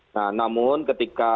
nah namun ketika